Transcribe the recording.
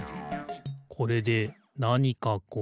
これでなにかこう？